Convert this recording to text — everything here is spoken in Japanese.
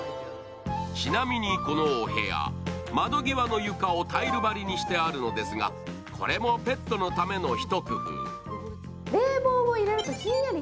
ちなみにこのお部屋、窓際の床をタイル張りにしてあるのですがこれもペットのためのひと工夫。